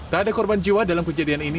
tak ada korban jiwa dalam kejadian ini